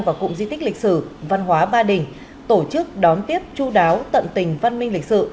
và cụm di tích lịch sử văn hóa ba đình tổ chức đón tiếp chú đáo tận tình văn minh lịch sự